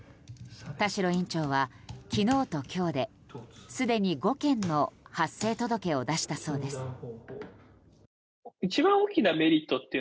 田代院長は昨日と今日ですでに５件の発生届を出したそうです。